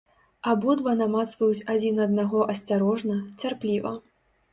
Абодва намацваюць адзін аднаго асцярожна, цярпліва.